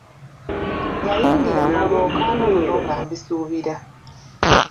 Nayingira mu lwokaano luno nga mbisuubira.